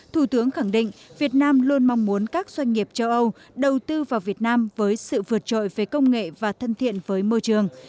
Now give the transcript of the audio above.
thủ tướng khẳng định việt nam luôn mong muốn các doanh nghiệp châu âu đầu tư vào việt nam với sự vượt trội về công nghệ và thân thiện với môi trường